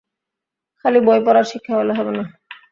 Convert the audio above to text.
খালি বই-পড়া শিক্ষা হলে হবে না।